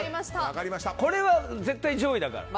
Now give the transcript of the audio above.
これは絶対上位だから。